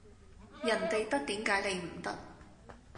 人哋得點解你唔得